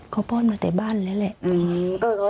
เขาป้อนมาแต่บ้านแล้วแหละ